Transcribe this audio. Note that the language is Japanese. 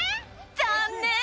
ざんねん！